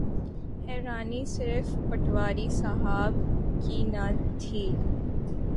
حیرانی صرف پٹواری صاحب کی نہ تھی۔